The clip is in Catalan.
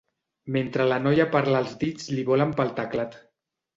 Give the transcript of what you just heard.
Mentre la noia parla els dits li volen pel teclat.